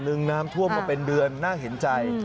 น้ำท่วมมาเป็นเดือนน่าเห็นใจ